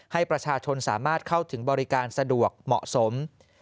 ให้ประชาชนสามารถเข้าถึงบริการสะดวกเหมาะสม